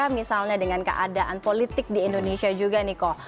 misalnya dengan keadaan politik di indonesia juga nih kok